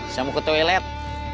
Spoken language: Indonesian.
saya mau ke toilet